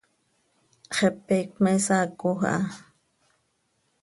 Xepe iicp me saacoj aha.